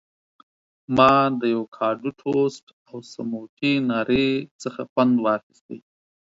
ما د ایوکاډو ټوسټ او سموټي ناري څخه خوند واخیست.